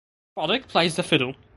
Roddick plays the fiddle.